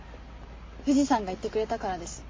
藤さんが言ってくれたからです。